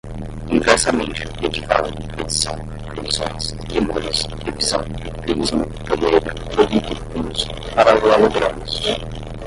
inversamente, equivale, predição, previsões, tremores, previsão, prisma, poliedro, políginos, paralelogramos